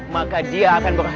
maka dia akan berhasil